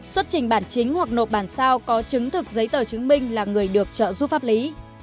xuất trình bản chính hoặc nộp bản sao có chứng thực giấy tờ chứng minh là người được trợ giúp pháp lý